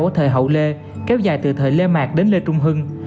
của thời hậu lê kéo dài từ thời lê mạc đến lê trung hưng